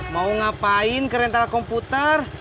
mau ngapain kerentara komputer